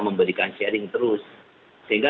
memberikan sharing terus sehingga